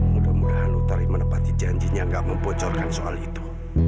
mudah mudahan utari menepati janjinya gak mempocorkan soal itu